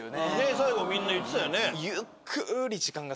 最後みんな言ってたよね。